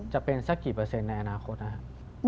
จะเป็นสักกี่เปอร์เซ็นต์ในอนาคตนะครับ